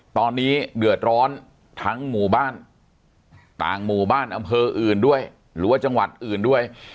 ตอนนี้เดือดร้อนทั้งหมู่บ้านต่างหมู่บ้านอำเภออื่นด้วยหรือว่าจังหวัดอื่นด้วย